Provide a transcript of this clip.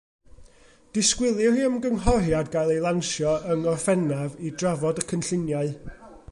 Disgwylir i ymgynghoriad gael ei lansio yng Ngorffennaf i drafod y cynlluniau.